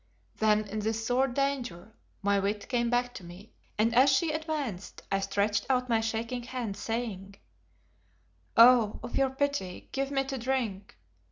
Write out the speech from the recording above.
Then in this sore danger my wit came back to me and as she advanced I stretched out my shaking hand, saying "Oh! of your pity, give me to drink.